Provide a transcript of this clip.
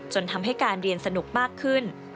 จนทำให้การเรียนสนุกมากขึ้น